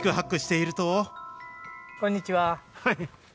こんにちは。